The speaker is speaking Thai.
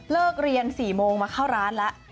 เรียน๔โมงมาเข้าร้านแล้ว